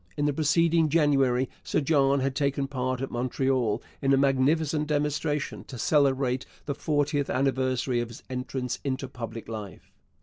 In the preceding January Sir John had taken part at Montreal in a magnificent demonstration to celebrate the fortieth anniversary of his entrance into public life.